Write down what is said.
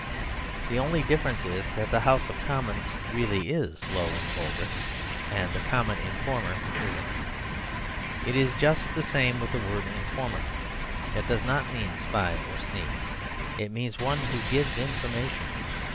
The only difference is that the House of Commons really is low and vulgar; and the Common Informer isn't. It is just the same with the word "Informer." It does not mean spy or sneak. It means one who gives information.